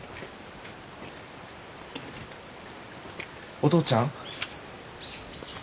お父ちゃん？